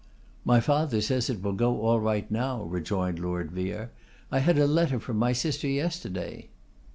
'My father says it will all go right now,' rejoined Lord Vere. 'I had a letter from my sister yesterday.